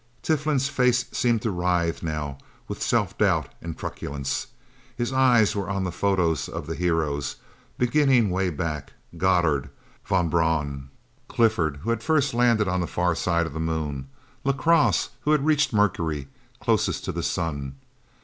Tiflin's face seemed to writhe, now, with self doubt and truculence; his eyes were on the photos of the heroes, beginning way back; Goddard. Von Braun. Clifford, who had first landed on the far side of the Moon. LaCrosse, who had reached Mercury, closest to the sun.